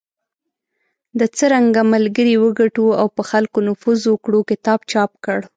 د"څرنګه ملګري وګټو او په خلکو نفوذ وکړو" کتاب چاپ کړ .